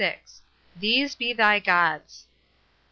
"THESE BE THY GODS."